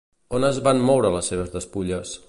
On es van moure les seves despulles?